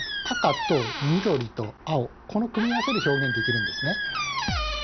赤と緑と青この組み合わせで表現できるんですね。